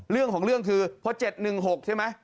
เรื่องของเรื่องคือพอ๗๑๖ใช่ไหม